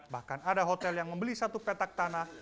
bahkan ada hotel yang membeli satu petak tanah